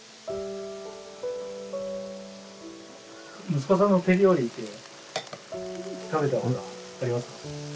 息子さんの手料理って食べたことはありますか？